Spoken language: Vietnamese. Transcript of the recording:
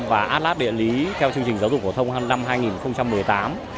và át lát địa lý theo chương trình giáo dục phổ thông năm hai nghìn một mươi tám